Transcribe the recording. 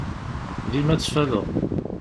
Dima ttfadeɣ.